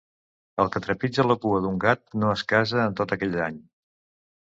El que trepitja la cua d'un gat no es casa en tot aquell any.